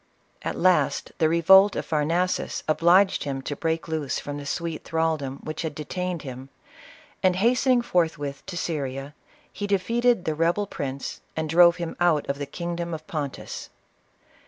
At last, the revolt of Pharnaces obliged him to break loose from the sweet thraldom which had detained him, and hastening forthwith to Syria, he defeated the rebel prince, and drove him out of the kingdom of Pontus.